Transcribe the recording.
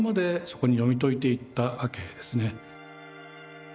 そこに読み解いていったわけですね。